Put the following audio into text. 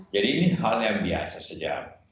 jadi ini hal yang biasa saja